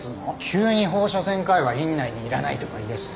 急に「放射線科医は院内に要らない」とか言いだしてさ。